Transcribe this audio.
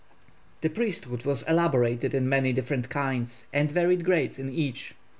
The priesthood was elaborated in many different kinds, and varied grades in each.